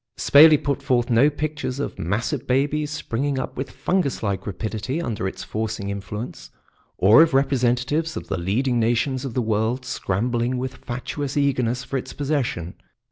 Spayley put forth no pictures of massive babies springing up with fungus like rapidity under its forcing influence, or of representatives of the leading nations of the world scrambling with fatuous eagerness for its possession.